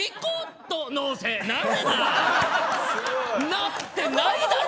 なってないだろ！